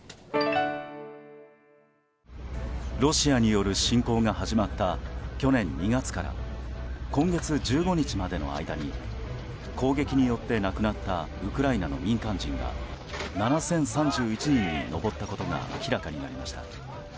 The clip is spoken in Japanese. ロシアによる侵攻が始まった去年２月から今月１５日までの間に攻撃によって亡くなったウクライナの民間人が７０３１人に上ったことが明らかになりました。